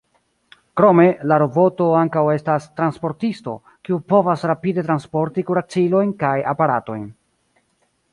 Krome, la roboto ankaŭ estas "transportisto", kiu povas rapide transporti kuracilojn kaj aparatojn.